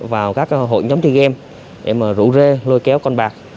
vào các hội nhóm chơi game để mà rủ rê lôi kéo con bạc